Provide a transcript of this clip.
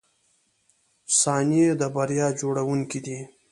• ثانیې د بریا جوړونکي دي.